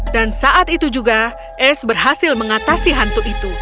dan saat itu juga ace berhasil mengatasi hantu itu